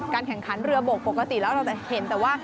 แข่งขันเรือบกปกติแล้วเราจะเห็นแต่ว่า